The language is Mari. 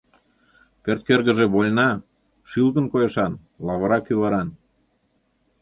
Пӧрт кӧргыжӧ вольна, шӱлыкын койышан, лавыра кӱваран.